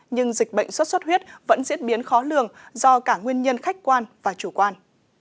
nhưng dịch bệnh xuất xuất huyết vẫn diễn biến khó lường do cả nguyên nhân khách quan và chủ quan